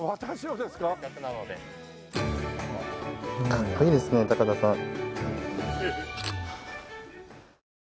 かっこいいですね高田さん。